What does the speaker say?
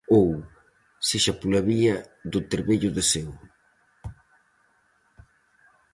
Ou, sexa pola vía do trebello de seu.